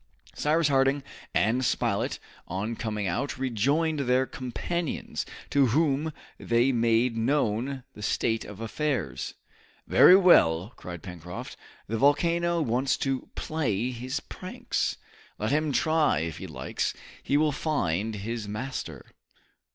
Cyrus Harding and Spilett, on coming out, rejoined their companions, to whom they made known the state of affairs. "Very well!" cried Pencroft, "The volcano wants to play his pranks! Let him try, if he likes! He will find his master!"